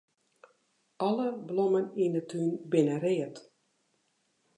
Alle blommen yn 'e tún binne read.